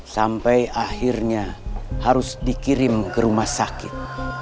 sampai akhirnya harus dikirim ke rumah sakit